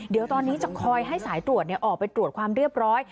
เดี๋ยวตอนนี้จะคอยให้สายตรวจออกไปตรวจความเรียบร้อย